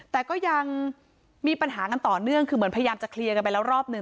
แต่ก็ยังมีปัญหากันต่อเนื่องคือเหมือนพยายามจะเคลียร์กันไปแล้วรอบหนึ่ง